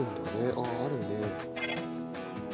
あっあるね。